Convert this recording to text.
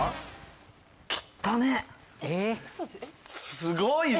すごいな！